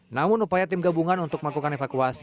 namun upaya tim gabungan untuk melakukan evakuasi